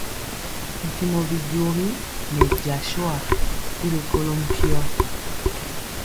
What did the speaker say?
Mpiemɔ bijogi nɛ jasua y rikolɔ mpio.